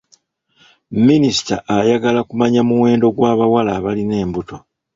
Minisita ayagala kumanya omuwendo gw'abawala abalina embuto.